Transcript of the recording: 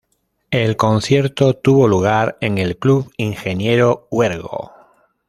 El concierto tuvo lugar en el Club Ingeniero Huergo.